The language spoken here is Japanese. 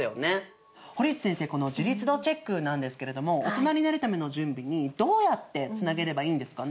堀内先生この自立度チェックなんですけれどもオトナになるための準備にどうやってつなげればいいんですかね？